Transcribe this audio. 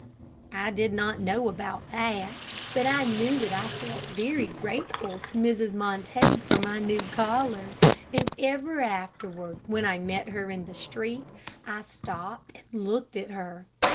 I did not know about that, but I knew that I felt very grateful to Mrs. Montague for my new collar, and ever afterward, when I met her in the street, I stopped and looked at her.